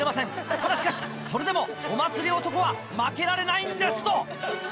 「ただしかしそれでもお祭り男は負けられないんです」と。